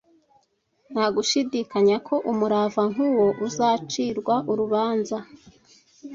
Nta gushidikanya ko umurava nk'uwo uzacirwa urubanza,